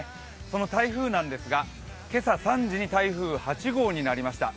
その台風ですが、今朝３時に台風８号になりました。